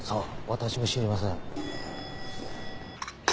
私も知りません。